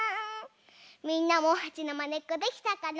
みんなもはちのまねっこできたかな？